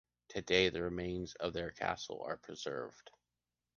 Today, the remains of their castle are preserved.